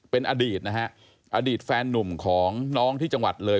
เป็นอดีตนะฮะอดีตแฟนนุ่มของน้องที่จังหวัดเลย